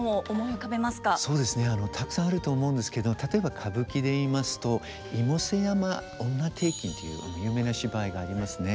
そうですねたくさんあると思うんですけど例えば歌舞伎でいいますと「妹背山婦女庭訓」というあの有名な芝居がありますね。